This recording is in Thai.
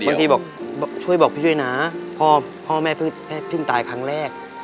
บางทีบอกช่วยบอกพี่ช่วยนะพ่อแม่เพิ่งตายครั้งแรก